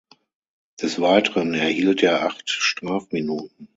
Des Weiteren erhielt er acht Strafminuten.